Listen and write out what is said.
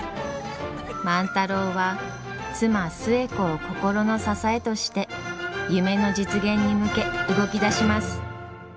万太郎は妻寿恵子を心の支えとして夢の実現に向け動き出します。